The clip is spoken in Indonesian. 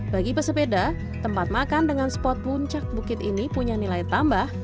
bagi pesepeda tempat makan dengan spot puncak bukit ini punya nilai tambah